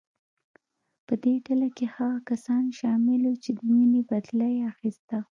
په دې ډله کې هغه کسان شامل وو چې د وینې بدله یې اخیسته.